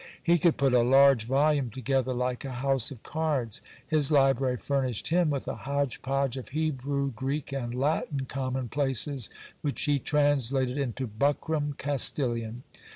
He could put a large volume together like a house of cards. His library furnished him with a hodge podge of Hebrew, Greek, and Latin common places, which he translated into buckram Castilian.